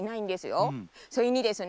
それにですね